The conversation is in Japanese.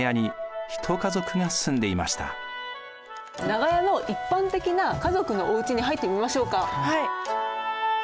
長屋の一般的な家族のおうちに入ってみましょうか。